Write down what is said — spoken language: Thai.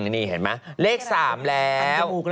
นี่เห็นไหมเลข๓แล้ว